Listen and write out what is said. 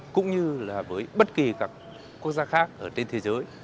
cũng như là với bất kỳ các quốc gia khác ở trên thế giới